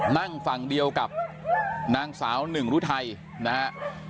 นั่งฝั่งเดียวกับนางสาวหนึ่งรุทัยนะฮะ